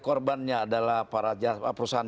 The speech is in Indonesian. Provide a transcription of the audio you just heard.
korbannya adalah para perusahaan